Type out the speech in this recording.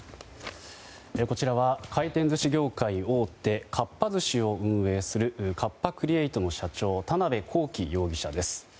こちらは回転寿司業界大手かっぱ寿司を運営するカッパ・クリエイトの社長田邊公己容疑者です。